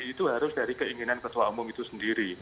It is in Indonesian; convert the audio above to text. itu harus dari keinginan ketua umum itu sendiri